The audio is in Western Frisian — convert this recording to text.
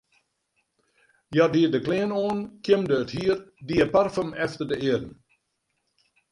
Hja die de klean oan, kjimde it hier, die parfum efter de earen.